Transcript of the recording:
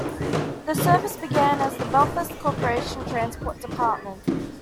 The service began as the Belfast Corporation Transport Department.